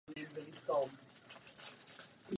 Při této cestě se uskutečnilo i turné po Rusku.